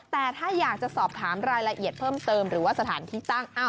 แต่ถ้าอยากจะสอบถามรายละเอียดเพิ่มเติมหรือว่าสถานที่ตั้ง